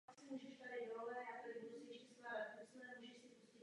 Obec však budovu odkoupila a zvažuje další využití.